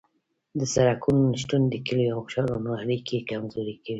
د سرکونو نشتون د کلیو او ښارونو اړیکې کمزورې کوي